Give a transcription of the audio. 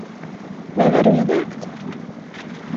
Vai varu ienākt?